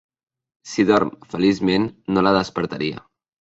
Si dorm feliçment, no la despertaria.